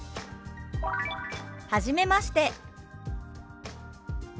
「はじめまして」。